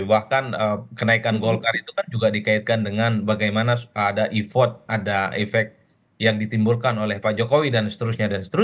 bahkan kenaikan golkar itu kan juga dikaitkan dengan bagaimana ada effort ada efek yang ditimbulkan oleh pak jokowi dan seterusnya